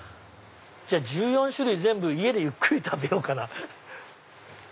じゃあ１４種類全部家でゆっくり食べようかな。